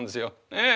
ええ。